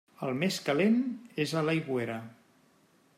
El més calent és a l'aigüera.